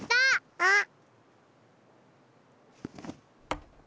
あっ！